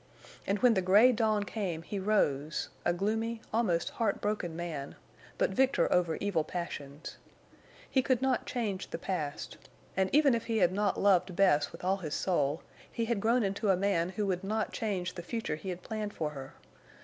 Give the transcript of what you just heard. And when the gray dawn came he rose, a gloomy, almost heartbroken man, but victor over evil passions. He could not change the past; and, even if he had not loved Bess with all his soul, he had grown into a man who would not change the future he had planned for her.